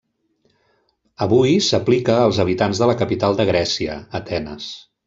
Avui s'aplica als habitants de la capital de Grècia, Atenes.